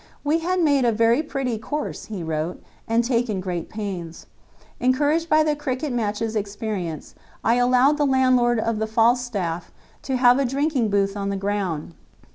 "We had made a very pretty course," he wrote, "and taken great pains. Encouraged by the cricket matches' experience, I allowed the landlord of the Falstaff to have a drinking booth on the ground.